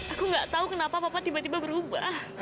aku nggak tahu kenapa papa tiba tiba berubah